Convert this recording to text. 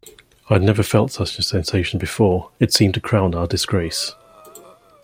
I never felt such a sensation before-it seemed to crown our disgrace.